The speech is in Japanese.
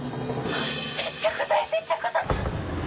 接着剤接着剤！